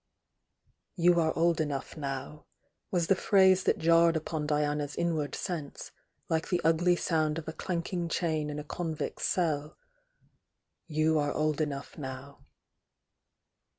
'Tou are old enough now," was the phrase that jarred upon Diana's inward sense, like the ugly sound of a clanking chain in a convict's cell. "You are old enough now."